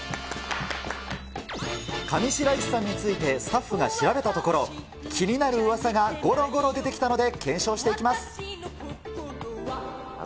上白石さんについてスタッフが調べたところ、気になるうわさがごろごろ出てきたので、検証していきます。